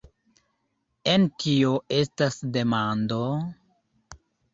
En tio estas demando!